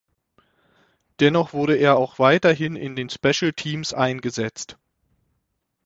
Dennoch wurde er auch weiterhin in den Special Teams eingesetzt.